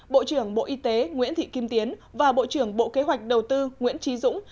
bộ trưởng bộ y tế nguyễn thị kim tiến và bộ trưởng bộ kế hoạch đầu tư nguyễn trí dũng